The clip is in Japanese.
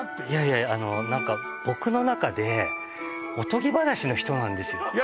いやいや何か僕の中でおとぎ話の人なんですよ